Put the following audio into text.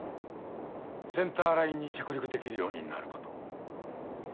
センターラインに着陸できるようになること。